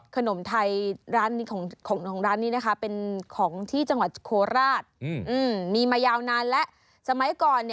ขนมไทยของร้านนี้นะคะเป็นของที่จังหวัดโคราช